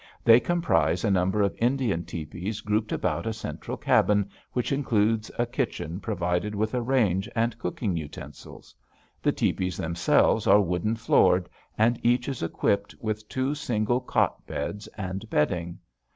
They comprise a number of Indian tepees grouped about a central cabin which includes a kitchen provided with a range and cooking utensils. The tepees themselves are wooden floored and each is equipped with two single cot beds and bedding.